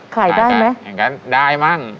ขายได้ไหมอย่างนั้นได้มั่ง